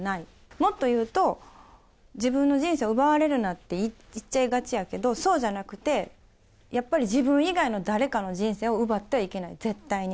もっと言うと、自分の人生を奪われるなって言っちゃいがちやけど、そうじゃなくて、やっぱり自分以外の誰かの人生を奪ってはいけない、絶対に。